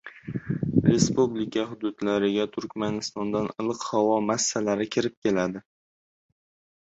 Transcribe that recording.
Respublika hududlariga Turkmanistondan iliq havo massalari kirib keladi.